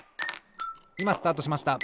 いまスタートしました。